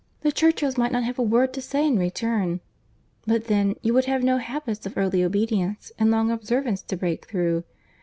The Churchills might not have a word to say in return; but then, you would have no habits of early obedience and long observance to break through.